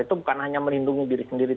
itu bukan hanya melindungi diri sendiri